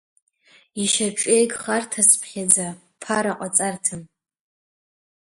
Ишьаҿеихгарҭацԥхьаӡа ԥара ҟаҵарҭан.